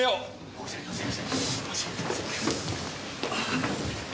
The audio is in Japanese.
申し訳ございません。